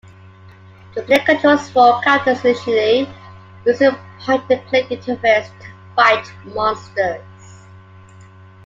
The player controls four characters, initially, using a point-and-click interface to fight monsters.